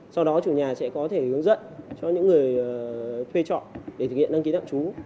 sau đó chủ nhà sẽ có thể hướng dẫn cho những người thuê chọn để thực hiện đăng ký tạm trú